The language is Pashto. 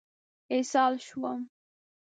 اسهال شوم.